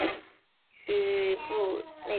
屈布内泽。